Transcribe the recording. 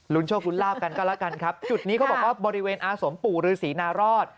โชคลุ้นลาบกันก็แล้วกันครับจุดนี้เขาบอกว่าบริเวณอาสมปู่ฤษีนารอด